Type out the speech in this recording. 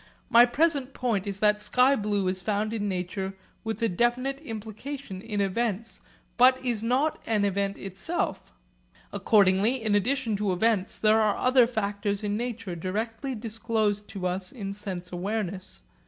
My present point is that sky blue is found in nature with a definite implication in events, but is not an event itself. Accordingly in addition to events, there are other factors in nature directly disclosed to us in sense awareness.